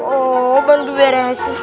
oh bantu beresin